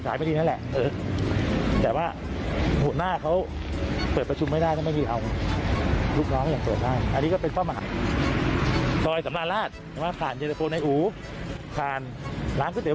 แต่เราแวะไม่ได้ถึงแม้เราจะหิว